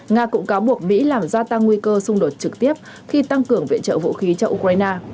nga cũng cáo buộc mỹ làm gia tăng nguy cơ xung đột trực tiếp khi tăng cường viện trợ vũ khí cho ukraine